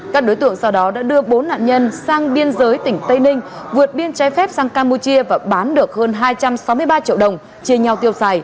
các đối tượng sau đó đã đưa bốn nạn nhân sang biên giới tỉnh tây ninh vượt biên trái phép sang campuchia và bán được hơn hai trăm sáu mươi ba triệu